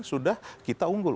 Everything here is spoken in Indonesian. sudah kita unggul